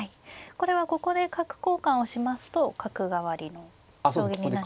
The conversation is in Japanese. これはここで角交換をしますと角換わりの将棋になりますか。